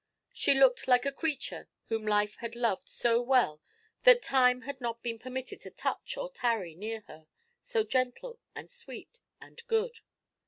She looked like a creature whom Life had loved so well that Time had not been permitted to touch or tarry near her, so gentle, and sweet, and good.